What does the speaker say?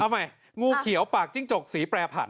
ใหม่งูเขียวปากจิ้งจกสีแปรผัด